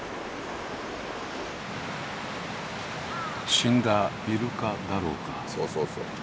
死んだイルカだろうか？